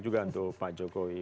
untuk pak jokowi